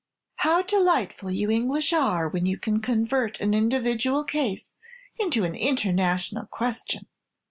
"How delighted you English are when you can convert an individual case into an international question!